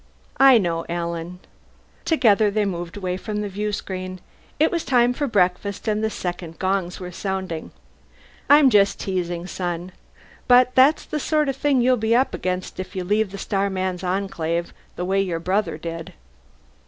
"I know, Alan." Together they moved away from the viewscreen; it was time for breakfast, and the second gongs were sounding. "I'm just teasing, son. But that's the sort of thing you'll be up against if you leave the Starmen's Enclave the way your brother did."